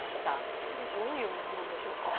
こちらどういうものなのでしょうか。